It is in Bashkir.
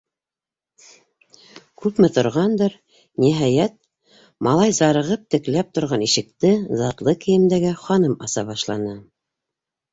Күпме торғандыр, ниһайәт, малай зарығып текләп торған ишекте затлы кейемдәге ханым аса башланы.